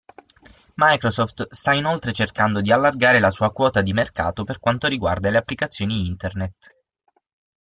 Microsoft sta inoltre cercando di allargare la sua quota di mercato per quanto riguarda le applicazioni Internet.